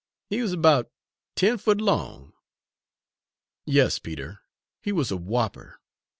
He wuz 'bout ten foot long!" "Yes, Peter, he was a whopper!